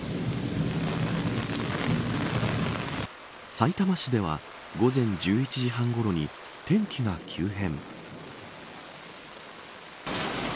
さいたま市では午前１１時半ごろに天気が急変。